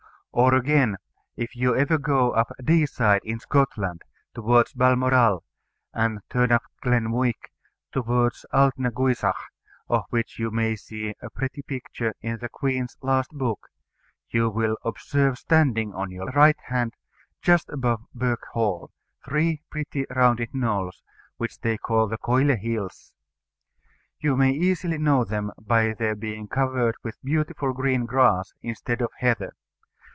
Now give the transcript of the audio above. Or again, if you ever go up Deeside in Scotland, towards Balmoral, and turn up Glen Muick, towards Alt na guisach, of which you may see a picture in the Queen's last book, you will observe standing on your right hand, just above Birk Hall, three pretty rounded knolls, which they call the Coile Hills. You may easily know them by their being covered with beautiful green grass instead of heather.